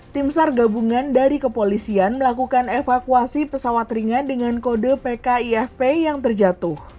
tim sar gabungan dari kepolisian melakukan evakuasi pesawat ringan dengan kode pkifp yang terjatuh